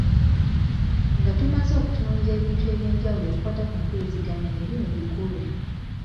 Nga tumaze okutunuulira ebintu eby’enjawulo ebikwata ku mpuliziganya ne bino bikulu.